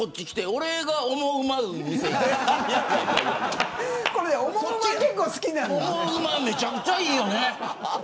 オモウマめちゃくちゃいいよね。